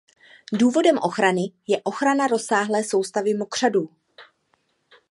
Důvodem ochrany je ochrana rozsáhlé soustavy mokřadů.